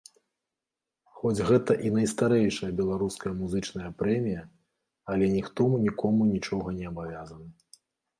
Хоць гэта і найстарэйшая беларуская музычная прэмія, але ніхто нікому нічога не абавязаны.